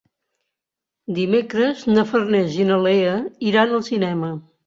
Dimecres na Farners i na Lea iran al cinema.